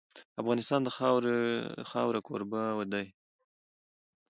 افغانستان د خاوره کوربه دی.